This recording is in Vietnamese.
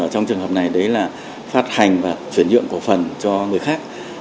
trong trường hợp này đấy là phát hành và chuyển nhượng cổ phần cho người khác